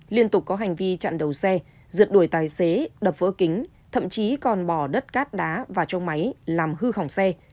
liên tục có hành vi chặn đầu xe rượt đuổi tài xế đập vỡ kính thậm chí còn bỏ đất cát đá vào trong máy làm hư hỏng xe